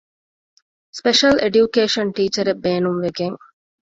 ސްޕެޝަލް އެޑިޔުކޭޝަން ޓީޗަރެއް ބޭނުންވެގެން